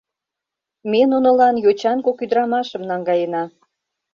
Ме нунылан йочан кок ӱдырамашым наҥгаена.